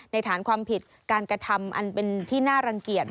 ฐานความผิดการกระทำอันเป็นที่น่ารังเกียจ